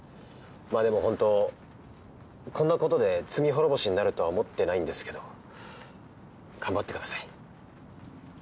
まあでもホントこんなことで罪滅ぼしになるとは思ってないんですけど頑張ってください。